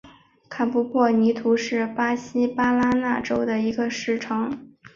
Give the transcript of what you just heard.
坎普博尼图是巴西巴拉那州的一个市镇。